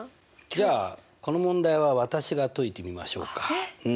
じゃあこの問題は私が解いてみましょうか。